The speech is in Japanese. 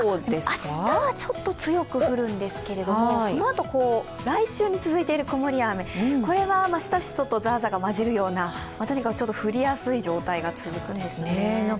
明日はちょっと強く降るんですけれどもそのあと来週に続いている曇りや雨はしとしととザーザーが交じるような、降りやすい状態が続くんですね。